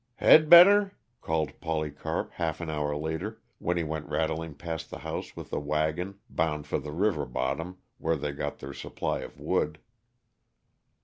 "Head better?" called Polycarp, half an hour later, when he went rattling past the house with the wagon, bound for the river bottom where they got their supply of wood.